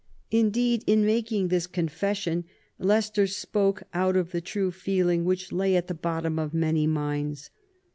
Indeed, in making this confession, Leicester spoke out the true feeling which lay at the bottom of many minds.